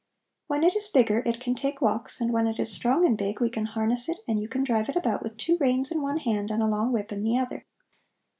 When it is bigger, it can take walks, and when it is strong and big we can harness it and you can drive it about with two reins in one hand and a long whip in the other."